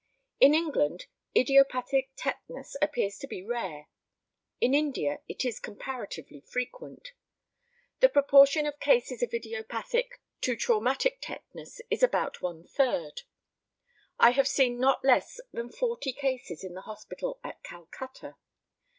In England idiopathic tetanus appears to be rare. In India it is comparatively frequent. The proportion of cases of idiopathic to traumatic tetanus is about one third. I have seen not less than forty cases in the hospital at Calcutta.